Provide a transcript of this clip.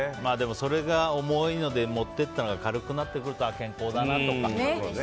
それが重いので持って行ったのが軽くなってくると健康だなとか。